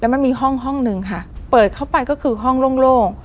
มันมีห้องห้องหนึ่งค่ะเปิดเข้าไปก็คือห้องโล่ง